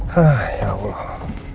hah ya allah